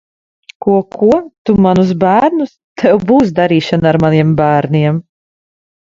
Ko, ko? Tu manus bērnus? Tev būs darīšana ar maniem bērniem!